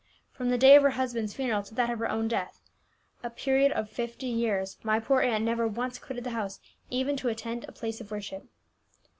From the day of her husband's funeral to that of her own death, a period of fifty years, my poor aunt never once quitted the house, even to attend a place of worship."